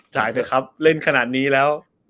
จ่ายเถอะครับเร่งขนาดนี้แล้ว